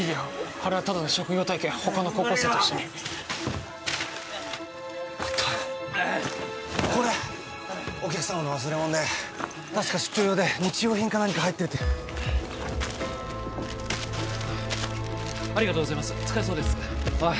あれはただの職業体験他の高校生と一緒にあったこれお客様の忘れ物で確か出張用で日用品か何か入ってるってありがとうございます使えそうですおい